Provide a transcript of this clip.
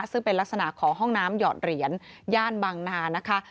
ซึ่งเป็นลักษณะของห้องน้ำหยอดเหรียญย่านบางนานะคะ